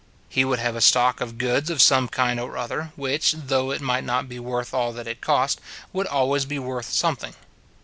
He would have a stock of goods of some kind or other, which, though it might not be worth all that it cost, would always be worth something.